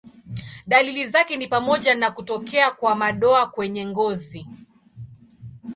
Dalili zake ni pamoja na kutokea kwa madoa kwenye ngozi.